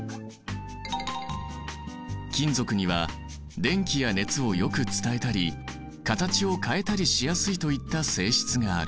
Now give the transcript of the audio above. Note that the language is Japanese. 金属には電気や熱をよく伝えたり形を変えたりしやすいといった性質がある。